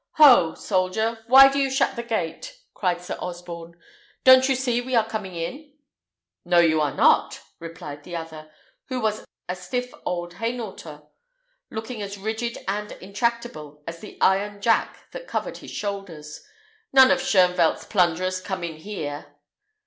"Ho! soldier, why do you shut the gate?" cried Sir Osborne; "don't you see we are coming in?" "No, you are not," replied the other, who was a stiff old Hainaulter, looking as rigid and intractable as the iron jack that covered his shoulders; "none of Shoenvelt's plunderers come in here."